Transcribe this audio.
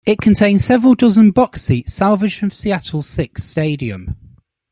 It contains several dozen box seats salvaged from Seattle's Sick's Stadium.